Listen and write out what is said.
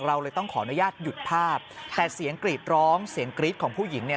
เราเลยต้องขออนุญาตหยุดภาพแต่เสียงกรีดร้องเสียงกรี๊ดของผู้หญิงเนี่ย